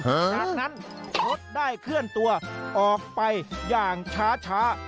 จากนั้นรถได้เคลื่อนตัวออกไปอย่างช้า